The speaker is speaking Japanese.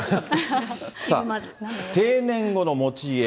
さあ、定年後の持ち家。